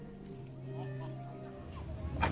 dalam pekalaan jumat agung jemaat gem im kalvahari orang tua